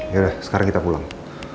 yaudah sekarang kita pulang